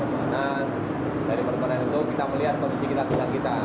pengguna dari pengguna itu kita melihat kondisi kita